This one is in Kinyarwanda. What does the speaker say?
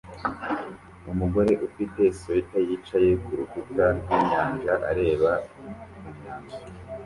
Umugore ufite swater yicaye kurukuta rwinyanja areba ku nyanja